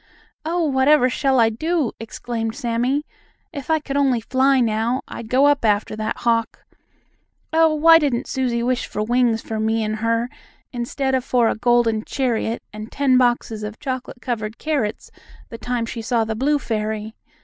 "Oh, whatever shall I do?" exclaimed Sammie. "If I could only fly now, I'd go up after that hawk. Oh, why didn't Susie wish for wings for me and her instead of for a golden chariot and ten boxes of chocolate covered carrots the time she saw the blue fairy?